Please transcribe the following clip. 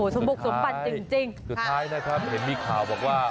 สมบุกสมบัติจริงจริงสุดท้ายนะครับเห็นมีข่าวบอกว่า